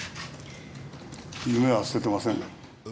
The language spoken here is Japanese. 夢は捨ててません。